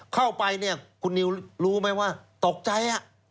เข้าไปเนี่ยคุณนิวรู้ไหมว่าตกใจ